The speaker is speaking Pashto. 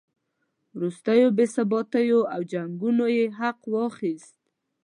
وروستیو بې ثباتیو او جنګونو یې حق واخیست.